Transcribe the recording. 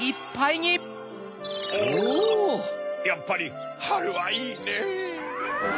やっぱりはるはいいねぇ。